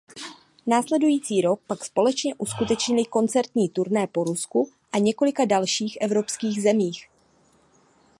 Následující rok pak společně uskutečnili koncertní turné po Rusku a několika dalších evropských zemích.